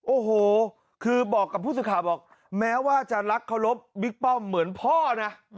โอ้โหคือบอกกับผู้สื่อข่าวบอกแม้ว่าจะรักเคารพบิ๊กป้อมเหมือนพ่อนะ